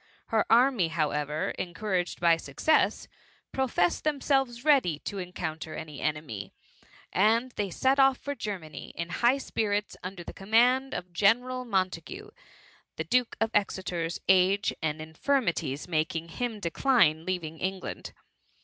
Her army, how. ever, encouraged by success, professed them* selves ready to encounter any enemy, and they set off for Germany, in high spirits under the command of General Montagu ; the Duke of Exeter's age and infirmities making him de cline leaving England.